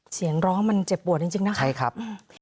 เสียงร้องมันเจ็บบวชจริงนะครับ